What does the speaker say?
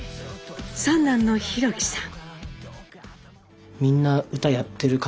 三男の寛樹さん。